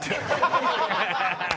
ハハハハ！